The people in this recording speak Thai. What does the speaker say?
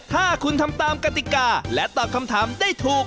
ถ้าคุณทำตามกติกาและตอบคำถามได้ถูก